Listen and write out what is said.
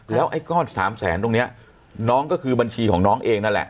แล้วไอ้ก้อน๓แสนตรงนี้น้องก็คือบัญชีของน้องเองนั่นแหละ